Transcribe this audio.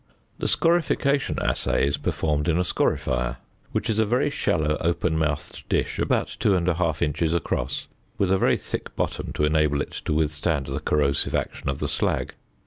The scorification assay is performed in a scorifier, which is a shallow open mouthed dish about 2 1/2 inches across, with a very thick bottom to enable it to withstand the corrosive action of the slag.